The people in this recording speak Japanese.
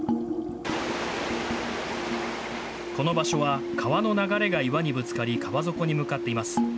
この場所は川の流れが岩にぶつかり、川底に向かっています。